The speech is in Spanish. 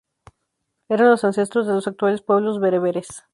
Eran los ancestros de los actuales pueblos bereberes.